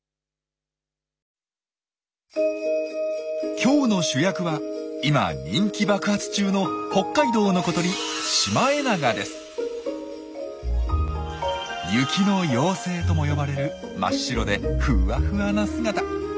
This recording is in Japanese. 今日の主役は今人気爆発中の北海道の小鳥「雪の妖精」とも呼ばれる真っ白でふわふわな姿。